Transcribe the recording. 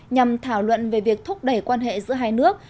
nhằm thảo luận về việc thúc đẩy quan hệ giữa hai nước